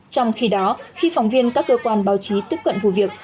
trong khi đó khi phóng viên các cơ quan báo chí tiếp cận vụ việc